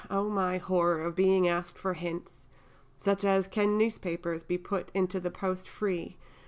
oh, my horror of being asked for hints, such as "can newspapers be put into the post free?"